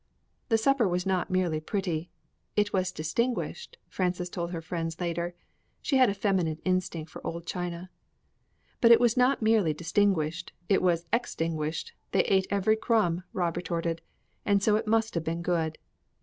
The supper was not merely pretty. "It was distinguished," Frances told her friends later; she had a feminine instinct for old china. "But it was not merely distinguished it was extinguished they ate every crumb," Rob retorted. "And so it must have been good."